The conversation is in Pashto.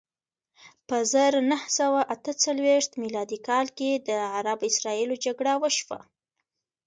په زر نه سوه اته څلویښت میلادي کال کې د عرب اسراییلو جګړه وشوه.